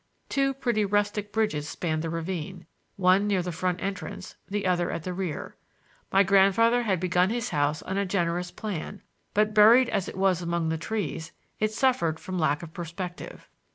Two pretty rustic bridges spanned the ravine, one near the front entrance, the other at the rear. My grandfather had begun his house on a generous plan, but, buried as it was among the trees, it suffered from lack of perspective.